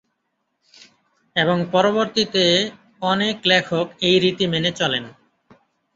এবং পরবর্তীতে অনেক লেখক এই রীতি মেনে চলেন।